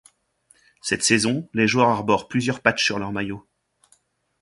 Cette saison, les joueurs arborent plusieurs patchs sur leur maillot.